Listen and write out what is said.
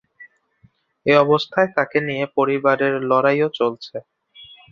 এ অবস্থায় তাঁকে নিয়ে পরিবারের লড়াইও চলছে।